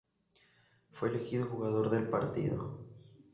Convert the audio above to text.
Fue elegido jugador del partido.